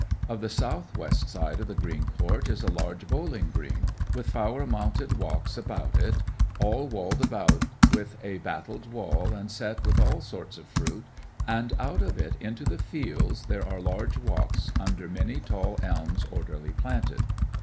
'Of the south west side of the greene court is a large bowling greene, with fower mounted walks about it, all walled about with a batteled wall, and sett with all sorts of fruit; and out of it into the feildes there are large walks under many tall elmes orderly planted.'